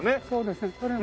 そうですね。